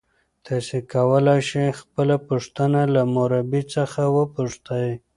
تاسي کولای شئ خپله پوښتنه له مربی څخه وپوښتئ.